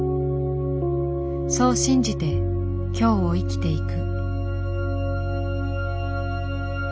そう信じて今日を生きていく。